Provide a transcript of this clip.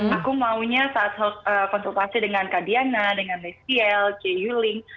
aku maunya saat konsultasi dengan kak diana dengan lesiel c euling